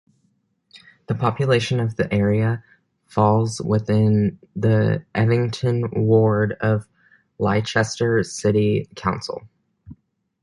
The population of the area falls within the Evington ward of Leicester City Council.